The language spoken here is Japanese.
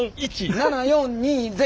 ７４２０。